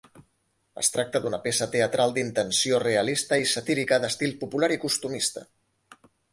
Es tracta d'una peça teatral d'intenció realista i satírica d'estil popular i costumista.